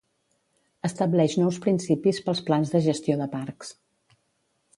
Estableix nous principis pels plans de gestió de parcs.